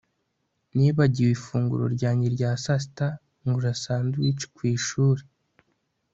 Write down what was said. Nibagiwe ifunguro ryanjye rya sasita ngura sandwich ku ishuri